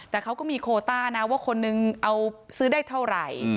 แต่เค้าก็มีโคต้าขวดว่าคนหนึ่งซื้อจะได้เท่าไหร่